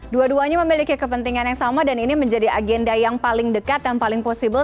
dua duanya memiliki kepentingan yang sama dan ini menjadi agenda yang paling dekat yang paling possible